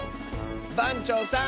ばんちょうさん。